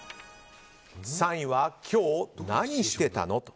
３位は、今日何してたの？